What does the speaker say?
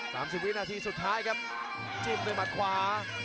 สิบวินาทีสุดท้ายครับจิ้มด้วยหมัดขวา